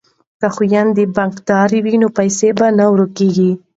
که خویندې بانکدارې وي نو پیسې به نه ورکیږي.